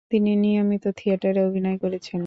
তিনি নিয়মিত থিয়েটারে অভিনয় করেছেন।